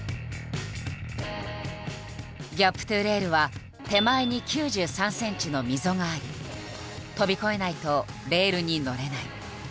「ギャップｔｏレール」は手前に９３ｃｍの溝があり飛び越えないとレールに乗れない。